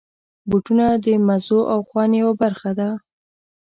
بوټونه د مزو او خوند یوه برخه ده.